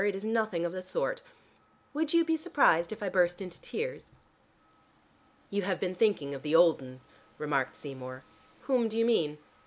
It is nothing of the sort. Would you be surprised if I burst into tears?" "You have been thinking of the old 'un," remarked Seymour. "Whom do you mean?"